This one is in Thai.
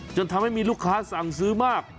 จนทำให้มีลูกค้าสั่งซื้อมาก